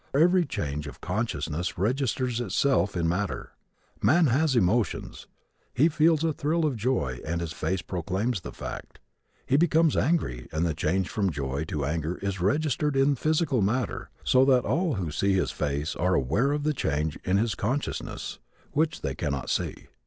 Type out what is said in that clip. Every change of consciousness registers itself in matter. A man has emotions. He feels a thrill of joy and his face proclaims the fact. He becomes angry, and the change from joy to anger is registered in physical matter so that all who see his face are aware of the change in his consciousness, which they cannot see.